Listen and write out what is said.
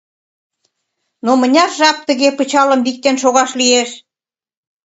Но мыняр жап тыге пычалым виктен шогаш лиеш?